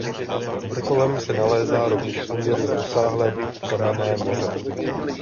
Pod vrcholem se nalézá rovněž poměrně rozsáhlé kamenné moře.